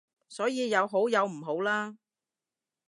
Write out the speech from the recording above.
所以有好有唔好啦